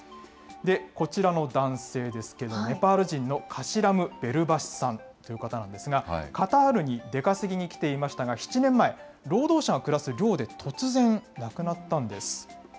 こちらの男性ですけれども、ネパール人のカシラム・ベルバシさんという方なんですが、カタールに出稼ぎに来ていましたが、７年前、労働者が暮らす寮で突然、亡くなったんです。